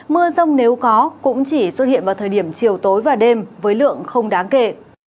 mưa rông nếu có cũng chỉ xuất hiện vào thời điểm chiều tối và đêm với lượng không đáng kể